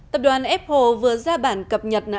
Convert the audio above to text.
tập đoàn apple vừa ra bản cập nhật